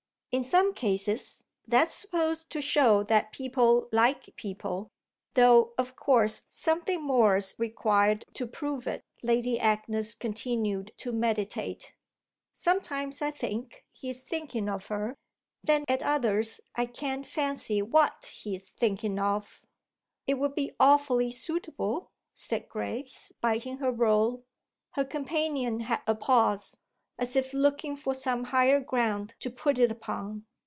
"In some cases that's supposed to show that people like people though of course something more's required to prove it," Lady Agnes continued to meditate. "Sometimes I think he's thinking of her, then at others I can't fancy what he's thinking of." "It would be awfully suitable," said Grace, biting her roll. Her companion had a pause, as if looking for some higher ground to put it upon.